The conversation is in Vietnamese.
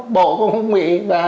bộ cũng không bị